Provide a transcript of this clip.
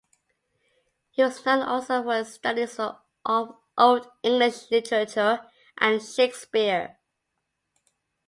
He was known also for his studies of Old English literature, and Shakespeare.